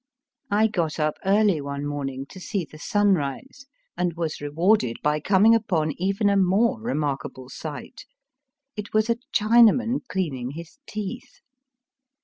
I got up early one morning to see the sunrise, and was rewarded by coming upon even a more remarkable sight. It was a Chinaman cleaning his teeth.